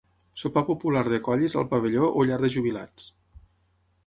Sopar popular de colles al pavelló o llar de jubilats.